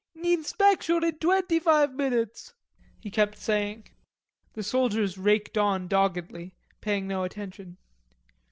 Inspection in twenty five minutes," he kept saying. The soldiers raked on doggedly, paying no attention.